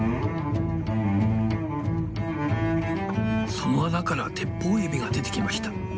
その穴からテッポウエビが出てきました。